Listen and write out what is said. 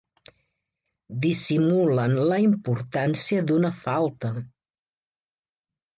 Dissimulen la importància d'una falta.